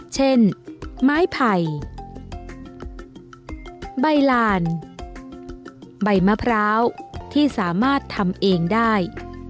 เช่นไม้ไผ่ใบลานใบมะพร้าวที่สามารถทำเองได้